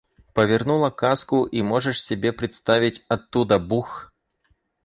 Повернула каску, и, можешь себе представить, оттуда бух!